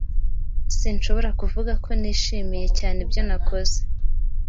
Sinshobora kuvuga ko nishimiye cyane ibyo nakoze.